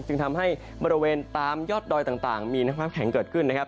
จึงทำให้บริเวณตามยอดดอยต่างมีน้ำความแข็งเกิดขึ้นนะครับ